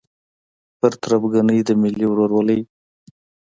پر تربګنۍ د ملي ورورولۍ